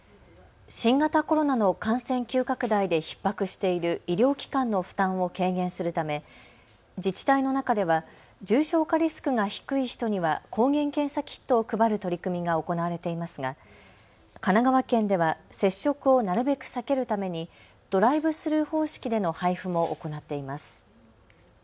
新型コロナの感染急拡大でひっ迫している医療機関の負担を軽減するため自治体の中では重症化リスクが低い人には抗原検査キットを配る取り組みが行われていますが神奈川県では接触をなるべく避けるためにドライブスルー方式での配布も行っています。